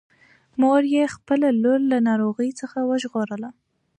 مور یې خپله لور له ناروغۍ څخه ژغورله.